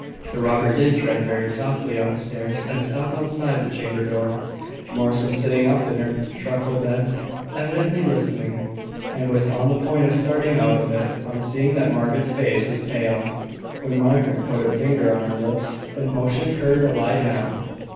The robber did tread very softly on the stairs, and stop outside the chamber door. Morris was sitting up in her truckle bed, evidently listening, and was on the point of starting out of it on seeing that Margaret's face was pale, when Margaret put her finger on her lips, and motioned to her to lie down.